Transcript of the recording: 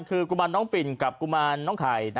คือกุมารน้องปิ่นกับกุมารน้องไข่